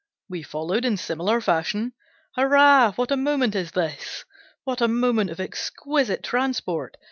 We followed, in similar fashion; Hurrah, what a moment is this! What a moment of exquisite transport!